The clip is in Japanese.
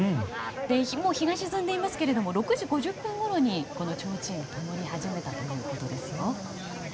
もう日が沈んでいますけれども６時５０分ごろにちょうちんがともり始めたということですよ。